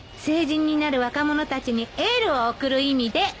成人になる若者たちにエールを送る意味で。